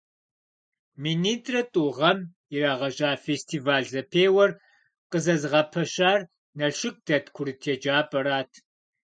Минитӏрэ тӏу гъэм ирагъэжьа фестиваль-зэпеуэр къызэзыгъэпэщар Налшык дэт курыт еджапӏэрат.